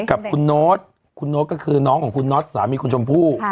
กับคุณโน๊ตคุณโน๊ตก็คือน้องของคุณน็อตสามีคุณชมพู่